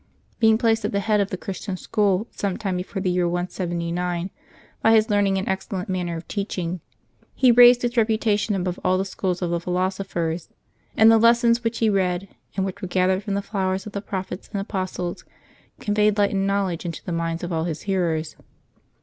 Being placed at the head of the Christian school some time before the year 179, by his learning and excel lent manner of teaching he raised its reputation above all the schools of the philosophers, and the lessons which he read, and which were gathered from the flowers of the prophets and apostles, conveyed light and knowledge into the minds of all his hearers.